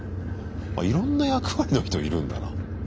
いろんな役割の人いるんだな。